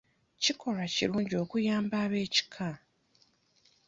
Kikolwa kirungi okuyamba eb'ekika.